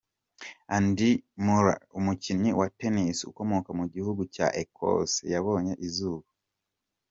Andy Murray, umukinnyi wa Tennis ukomoka mu gihugu cya Ecosse yabonye iauba.